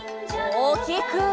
おおきく！